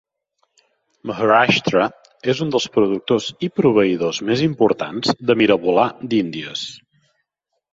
Maharashtra és un dels productors i proveïdors més importants de mirabolà d'Índies.